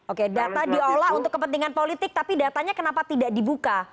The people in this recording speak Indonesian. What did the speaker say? oke data diolah untuk kepentingan politik tapi datanya kenapa tidak dibuka